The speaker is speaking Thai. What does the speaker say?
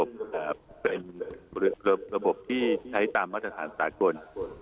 เป็นระบบที่ใช้ตามมาตรฐานสากล